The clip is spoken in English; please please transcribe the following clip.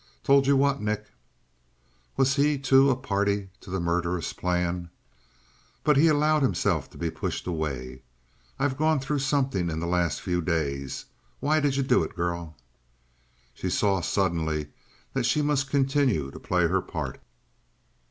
"Told you what, Nick?" Was he, too, a party to the murderous plan? But he allowed himself to be pushed away. "I've gone through something in the last few days. Why did you do it, girl?" She saw suddenly that she must continue to play her part.